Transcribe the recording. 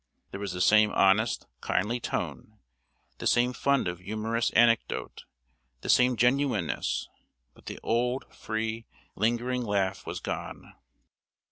There was the same honest, kindly tone the same fund of humorous anecdote the same genuineness; but the old, free, lingering laugh was gone.